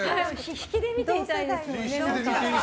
引きで見ていたいですよね。